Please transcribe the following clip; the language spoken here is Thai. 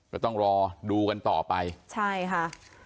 ก็ต้องรอดูกันต่อไปใช่ค่ะ